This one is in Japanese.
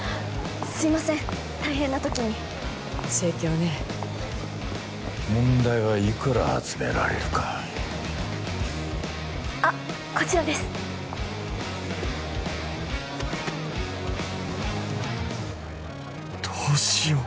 すいません大変な時に盛況ね問題はいくら集められるかあっこちらですどうしよう